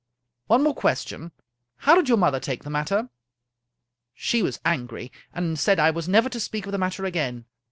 " One more question. How did your mother take the matter?" " She was angry, and said that I was never to speak of the matter again."